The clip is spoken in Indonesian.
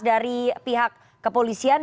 dari pihak kepolisian